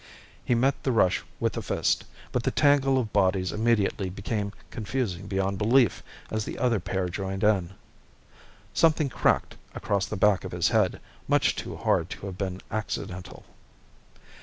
He met the rush with a fist, but the tangle of bodies immediately became confusing beyond belief as the other pair joined in. Something cracked across the back of his head, much too hard to have been accidental.